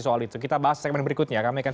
soal itu kita bahas segmen berikutnya kami akan